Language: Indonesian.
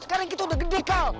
sekarang kita udah gede kal